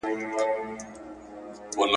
په پردیو که پاللی بیرغ غواړم !.